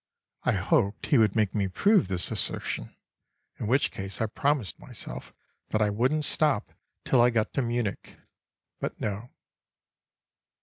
(I hoped he would make me prove this assertion, in which case I promised myself that I wouldn't stop till I got to Munich; but no.)